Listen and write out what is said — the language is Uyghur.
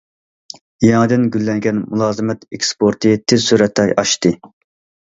يېڭىدىن گۈللەنگەن مۇلازىمەت ئېكسپورتى تېز سۈرئەتتە ئاشتى.